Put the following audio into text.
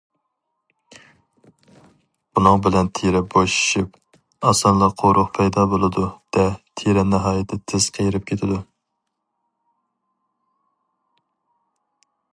بۇنىڭ بىلەن تېرە بوشىشىپ ئاسانلا قورۇق پەيدا بولىدۇ- دە، تېرە ناھايىتى تېز قېرىپ كېتىدۇ.